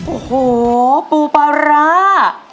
โอ้โหปูปลาร้า